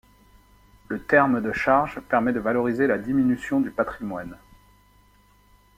Le terme de charge permet de valoriser la diminution du patrimoine.